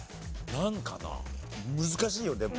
なんかな難しいよでも。